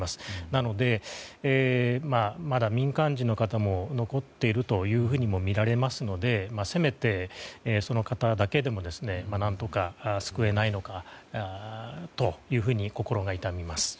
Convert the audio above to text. なので、まだ民間人の方も残っているとみられますのでせめて、その方だけでも何とか救えないのかと心が痛みます。